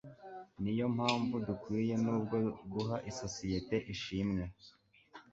Niyo mpamvu dukwiye nubwo guha isosiyete ishimwe